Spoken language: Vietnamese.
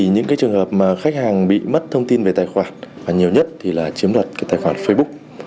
những trường hợp mà khách hàng bị mất thông tin về tài khoản nhiều nhất là chiếm đặt tài khoản facebook